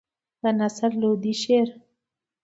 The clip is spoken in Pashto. د نصر لودي شعر.